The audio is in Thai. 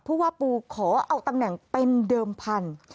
ผู้ว่าปูขอเอาตำแหน่งเป็นเดิมพันธุ์